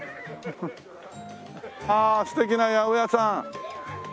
ああ素敵な八百屋さん。